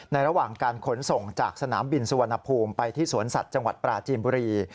ระหว่างการขนส่งจากสนามบินสุวรรณภูมิไปที่สวนสัตว์จังหวัดปราจีนบุรี